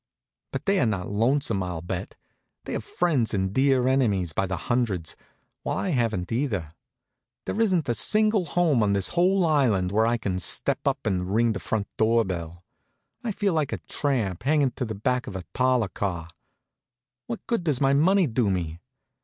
But they're not lonesome, I'll bet. They have friends and dear enemies by the hundreds, while I haven't either. There isn't a single home on this whole island where I can step up and ring the front door bell. I feel like a tramp hanging to the back of a parlor car. What good does my money do me?